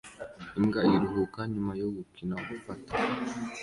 Imbwa iruhuka nyuma yo gukina gufata